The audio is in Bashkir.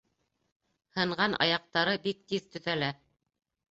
Һынған аяҡтары бик тиҙ төҙәлә.